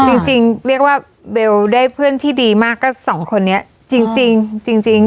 จริงจริงเรียกว่าเบลได้เพื่อนที่ดีมากก็สองคนนี้จริงจริง